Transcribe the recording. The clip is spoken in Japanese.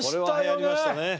これははやりましたね